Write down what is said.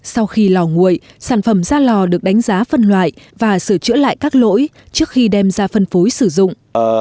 sau khi lò nguội sản phẩm ra lò được đánh giá phân loại và sửa chữa lại các lỗi trước khi đem ra phân phối sử dụng